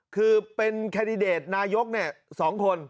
คือเป็นแคนดิเดตนายก๒คน